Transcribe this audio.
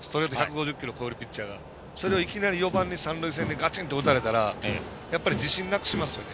ストレート１５０キロを超えるピッチャーがそれを４番にいきなり三塁線に打たれたら自信なくしますよね。